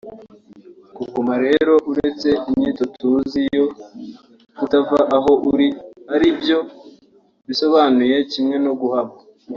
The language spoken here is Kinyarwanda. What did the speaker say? Kuguma rero uretse inyito tuzi yo kutava aho uri ari byo bisobanuye kimwe no guhama